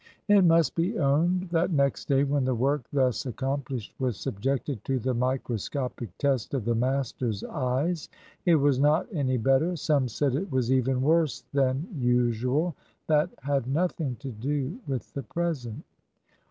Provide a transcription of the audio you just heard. It must be owned that next day when the work thus accomplished was subjected to the microscopic test of the master's eyes, it was not any better some said it was even worse than usual. That had nothing to do with the present.